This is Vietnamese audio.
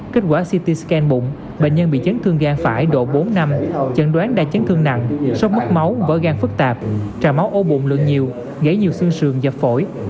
kết quả city scan bụng bệnh nhân bị chấn thương gan phải độ bốn năm chẩn đoán đa chấn thương nặng số mất máu vỡ gan phức tạp tràn máu ô bụng lượng nhiều gãy nhiều xương và phổi